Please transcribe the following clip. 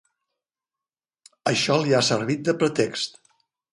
Això li ha servit de pretext.